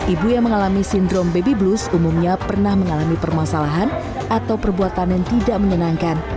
ibu yang mengalami sindrom baby blues umumnya pernah mengalami permasalahan atau perbuatan yang tidak menyenangkan